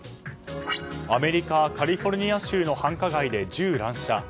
アメリカ・カリフォルニア州の繁華街で銃乱射。